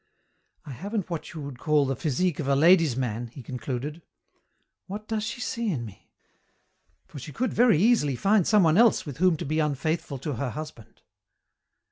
"I haven't what you would call the physique of a lady's man," he concluded. "What does she see in me? for she could very easily find someone else with whom to be unfaithful to her husband.